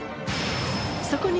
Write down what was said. そこに